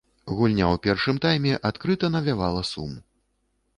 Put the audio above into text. Гульня ў першым тайме адкрыта навявала сум.